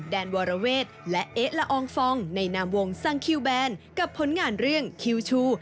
แนนวรเวทและเอ๊ะละอองฟองในนามวงสังคิวแบนกับผลงานเรื่องคิวชู